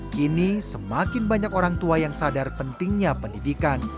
kini semakin banyak orang tua yang sadar pentingnya pendidikan